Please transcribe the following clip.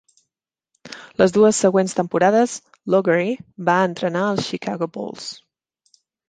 Les dues següents temporades, Loughery va entrenar els Chicago Bulls.